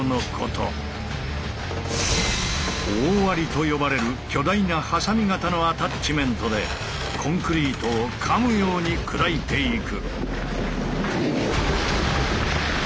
「大割り」と呼ばれる巨大なはさみ形のアタッチメントでコンクリートをかむように砕いていく。